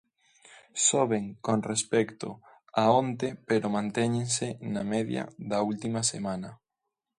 Soben con respecto a onte pero mantéñense na media da última semana.